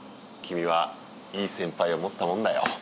君はいい先輩を持ったもんだよ。